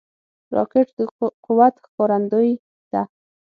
راکټ د قوت ښکارندوی ده